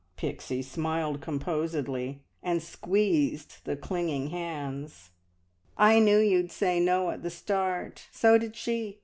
Pixie smiled composedly, and squeezed the clinging hands. "I knew you'd say `No' at the start. So did she.